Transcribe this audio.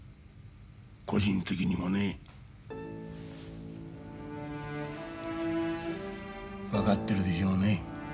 個人的にもね。分かってるでしょうね。